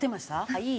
はい。